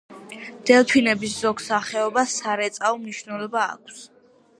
დელფინების ზოგ სახეობას სარეწაო მნიშვნელობა აქვს.